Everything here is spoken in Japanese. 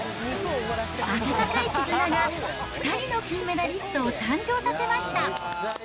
温かい絆が２人の金メダリストを誕生させました。